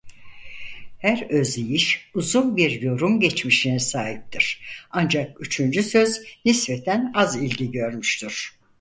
Her özdeyiş uzun bir yorum geçmişine sahiptir ancak üçüncü söz nispeten az ilgi görmüştür.